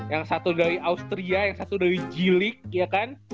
yang satu dari austria yang satu dari jilik ya kan